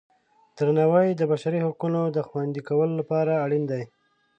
درناوی د بشري حقونو د خوندي کولو لپاره اړین دی.